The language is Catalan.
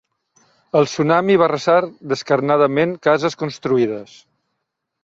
El tsunami va arrasar descarnadament cases construïdes.